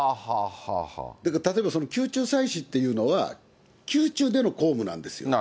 だから例えば宮中祭祀というのは、宮中での公務なんですよ。